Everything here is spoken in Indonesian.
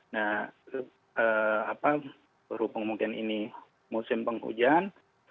nah berhubung mungkin ini musim penghujan